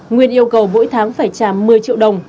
nguyên yêu cầu mỗi tháng phải trả một mươi triệu đồng